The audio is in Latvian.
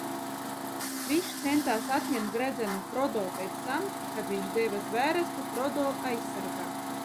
Viņš centās atņemt Gredzenu Frodo pēc tam, kad viņš deva zvērestu Frodo aizsargāt!